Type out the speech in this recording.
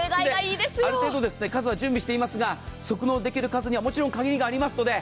ある程度、数は準備していますが即納できる数にはもちろん数に限りがありますので。